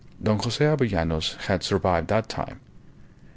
Don Jose Avellanos had survived that time.